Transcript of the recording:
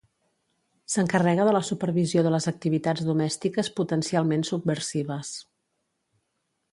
S'encarrega de la supervisió de les activitats domèstiques potencialment subversives.